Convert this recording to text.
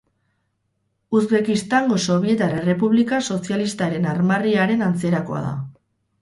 Uzbekistango Sobietar Errepublika Sozialistaren armarriaren antzerakoa da.